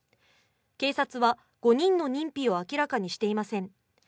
警察は５人の認否を明らかにしていません。